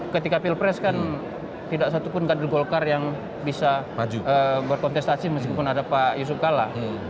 ketika pilpres kan tidak satupun kader golkar yang bisa berkontestasi meskipun ada pak yusuf kalla